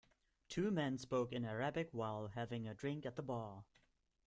Two men spoke in Arabic while having a drink at the bar.